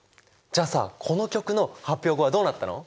じゃあさこの曲の発表後はどうなったの？